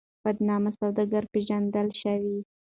بدنام سوداگر پېژندل شوی.